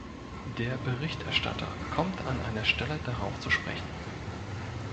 Der Berichterstatter kommt an einer Stelle darauf zu sprechen.